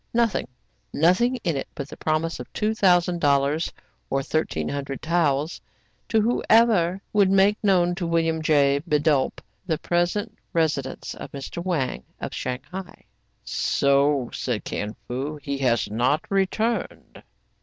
Nothing ! nothing in it but the promise of two thousand dollars, or thirteen hundred taels, to whoever would make known to William J. Bidulph the present residence of Mr. Wang of Shang hai. "So," said Kin Fo, "he has not returned."